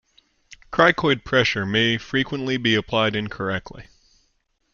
Cricoid pressure may frequently be applied incorrectly.